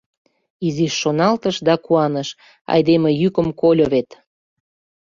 Изиш шоналтыш да куаныш: айдеме йӱкым кольо вет!..